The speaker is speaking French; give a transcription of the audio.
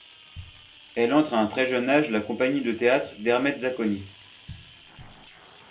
Elle entre à un très jeune âge la compagnie de théâtre d' Ermete Zacconi.